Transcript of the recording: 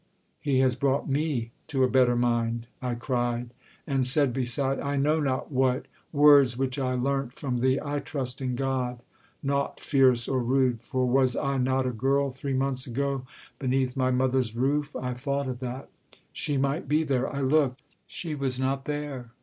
He has brought me to a better mind!' I cried, and said beside I know not what Words which I learnt from thee I trust in God Nought fierce or rude for was I not a girl Three months ago beneath my mother's roof? I thought of that. She might be there! I looked She was not there!